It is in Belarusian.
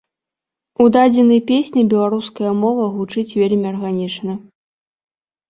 У дадзенай песні беларуская мова гучыць вельмі арганічна.